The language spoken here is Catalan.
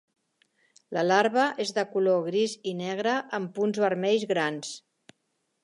La larva és de color gris i negre amb punts vermells grans.